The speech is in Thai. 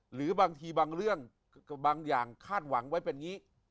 หรือบางทีบางเรื่องบางอย่างคาดหวังไว้เป็นอย่างนี้